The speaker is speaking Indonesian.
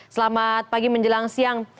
selamat pagi menjelang siang